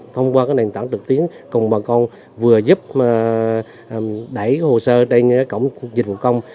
thông qua nền tảng trực tiến cùng bà con vừa giúp đẩy hồ sơ trên cổng dịch vụ công